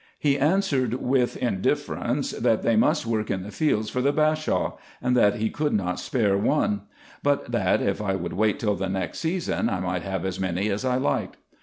He answered with indifference, that they must work in the fields for the Bashaw, and that he could not spare one ; but that, if I would wait till the next season, I might have as many as I liked.